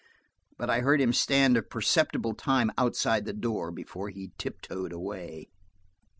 But I heard him stand a perceptible time outside the door before he tiptoed away.